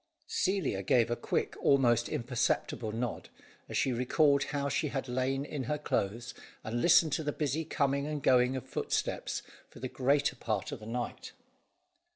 Celia gave a quick, almost imperceptible nod, as she recalled how she had lain in her clothes, and listened to the busy coming and going of footsteps, for the greater part of the night.